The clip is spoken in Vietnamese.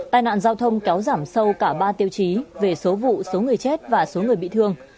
tai nạn giao thông kéo giảm sâu cả ba tiêu chí về số vụ số người chết và số người bị thương